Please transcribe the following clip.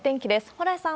蓬莱さん。